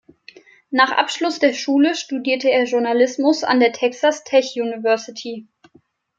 Nach Abschluss der Schule studierte er Journalismus an der Texas Tech University.